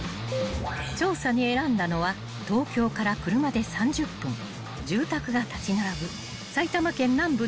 ［調査に選んだのは東京から車で３０分住宅が立ち並ぶ］